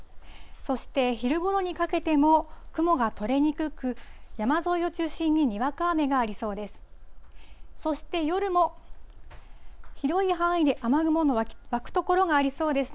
そして、昼ごろにかけても雲が取れにくく、山沿いを中心ににわか雨がありそうです。